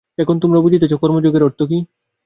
এখন তোমরা বুঝিতেছ, কর্মযোগের অর্থ কি।